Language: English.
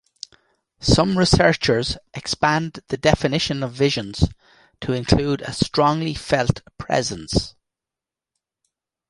Some researchers expand the definition of visions to include a strongly felt presence.